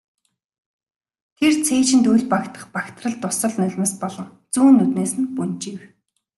Тэр цээжинд үл багтах багтрал дусал нулимс болон зүүн нүднээс нь бөнжийв.